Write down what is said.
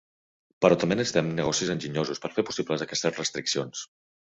Però també necessitem negocis enginyosos per fer possibles aquestes restriccions.